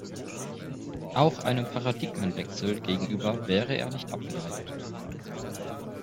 Auch einem Paradigmenwechsel gegenüber wäre er nicht abgeneigt.